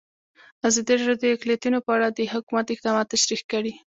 ازادي راډیو د اقلیتونه په اړه د حکومت اقدامات تشریح کړي.